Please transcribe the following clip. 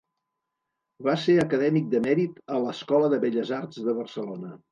Va ser acadèmic de mèrit a l'Escola de Belles Arts de Barcelona.